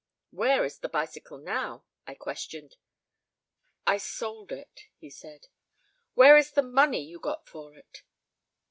"Where is the bicycle now?" I questioned. "I sold it," he said. "Where is the money you got for it?"